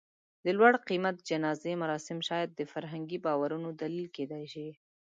د لوړ قېمت جنازې مراسم شاید د فرهنګي باورونو دلیل کېدی شي.